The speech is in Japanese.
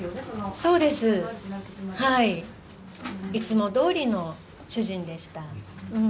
そうです。いつもどおりの主人でした。